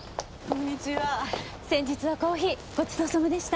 先日はコーヒーごちそうさまでした。